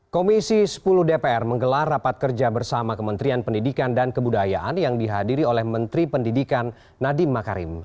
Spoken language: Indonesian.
komisi sepuluh dpr menggelar rapat kerja bersama kementerian pendidikan dan kebudayaan yang dihadiri oleh menteri pendidikan nadiem makarim